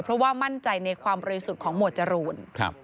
เพราะว่ามั่นใจในความบริสุทธิ์ของหมวดจรูน